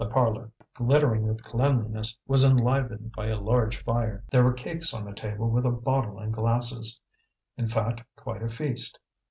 The parlour, glittering with cleanliness, was enlivened by a large fire; there were cakes on the table with a bottle and glasses, in fact quite a feast.